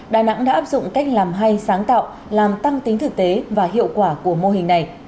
đà nẵng đã áp dụng cách làm hay sáng tạo làm tăng tính thực tế và hiệu quả của mô hình này